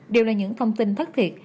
đều là những thông tin thất thiệt